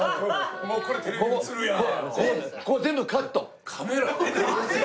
もうこれテレビ映るやん。